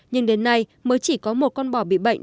nhưng đến nay mới chỉ có một con bò bị bệnh